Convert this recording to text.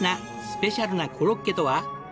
スペシャルなコロッケとは？